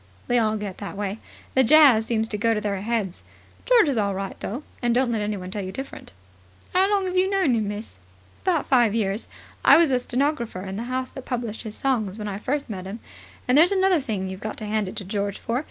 They all get that way. The jazz seems to go to their heads. George is all right, though, and don't let anyone tell you different." "Have you know him long, miss?" "About five years. I was a stenographer in the house that published his songs when I first met him. And there's another thing you've got to hand it to George for.